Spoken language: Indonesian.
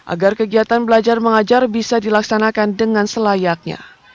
agar kegiatan belajar mengajar bisa dilaksanakan dengan selayaknya